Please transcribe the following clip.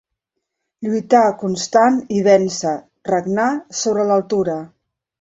Lluitar constant i vèncer, regnar sobre l'altura.